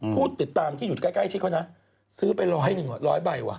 ผู้ติดตามที่อยู่ใกล้ชิดเขานะซื้อไปร้อยหนึ่งร้อยใบว่